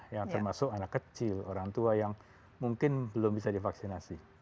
yang termasuk anak kecil orang tua yang mungkin belum bisa divaksinasi